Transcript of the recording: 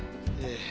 ええ。